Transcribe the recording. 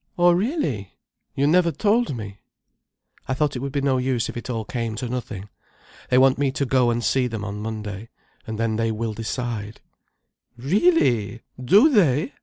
"Oh really! You never told me." "I thought it would be no use if it all came to nothing. They want me to go and see them on Monday, and then they will decide—" "Really! Do they!